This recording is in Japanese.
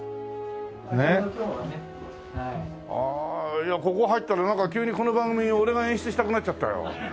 いやここ入ったらなんか急にこの番組俺が演出したくなっちゃったよ。